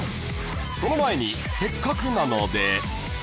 ［その前にせっかくなので］